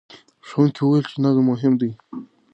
ښوونکي وویل چې نظم مهم دی.